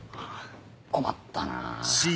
困ったなぁ。